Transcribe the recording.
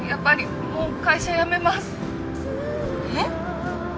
えっ！？